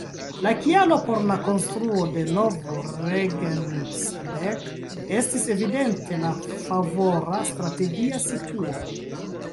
La kialo por la konstruo de Nov-Regensberg estis evidente la favora strategia situo.